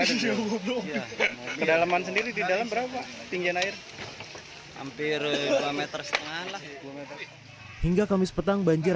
ada kedalaman sendiri di dalam berapa tinggi air hampir dua lima meter hingga kamis petang banjir